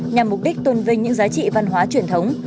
nhằm mục đích tôn vinh những giá trị văn hóa truyền thống